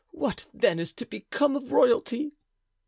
what, then, is to become of royalty?"